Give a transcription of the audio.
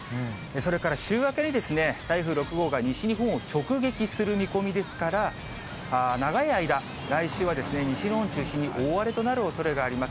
それから週明けに、台風６号が西日本を直撃する見込みですから、長い間、来週は西日本中心に大荒れとなるおそれがあります。